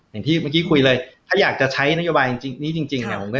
อย่างที่เมื่อกี้คุยเลยถ้าอยากจะใช้โยบายนี้จริง